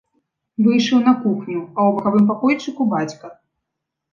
Выйшаў на кухню, а ў бакавым пакойчыку бацька.